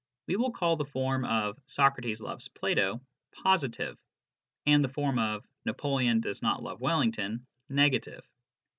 We will call the form of '' Socrates loves Plato " positive, and the form of " Napoleon does not love Wellington " negative.